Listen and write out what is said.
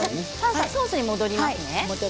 じゃあソースに戻りますね。